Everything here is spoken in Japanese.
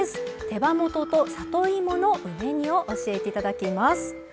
手羽元と里芋の梅煮を教えて頂きます。